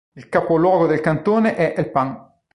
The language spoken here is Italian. Il capoluogo del cantone è El Pan.